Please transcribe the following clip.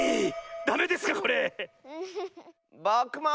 ダメですかこれ⁉ぼくも！